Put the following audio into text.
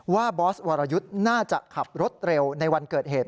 บอสวรยุทธ์น่าจะขับรถเร็วในวันเกิดเหตุ